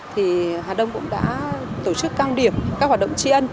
thì hà đông cũng đã tổ chức cao điểm các hoạt động tri ân